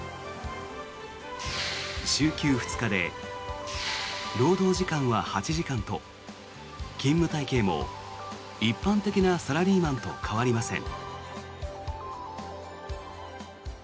週休２日で労働時間は８時間と勤務体系も一般的なサラリーマンと変わりません。